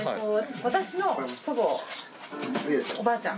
私の祖母、おばあちゃん。